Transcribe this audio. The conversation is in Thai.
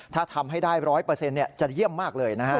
ถ้าทำให้ได้๑๐๐จะเยี่ยมมากเลยนะฮะ